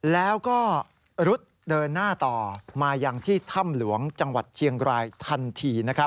แล้วก็รุดเดินหน้าต่อมายังที่ถ้ำหลวงจังหวัดเชียงรายทันที